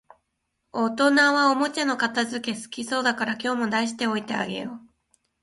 大人はおもちゃの片づけ好きそうだから、今日も出しておいてあげよう